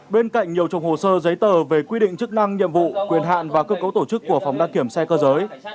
bên cạnh nhiều trục hồ sơ giấy tờ về quy định chức năng nhiệm vụ quyền hạn và cơ cấu tổ chức của phòng đăng kiểm xe cơ giới